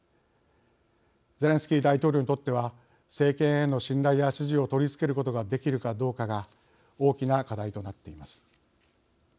ゼレンスキー大統領にとっては政権への信頼や支持を取り続けることができるかどうかが大きな課題となっています。